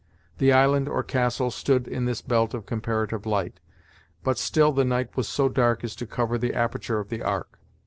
The island, or castle, stood in this belt of comparative light, but still the night was so dark as to cover the aperture of the ark.